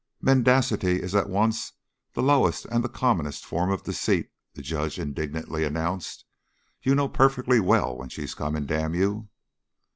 "Mendacity is at once the lowest and the commonest form of deceit," the judge indignantly announced. "You know perfectly well when she's coming, damn you!"